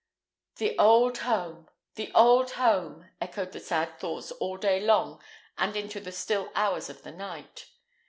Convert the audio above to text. "The old home! the old home!" echoed the sad thoughts all day long and into the still hours of the night.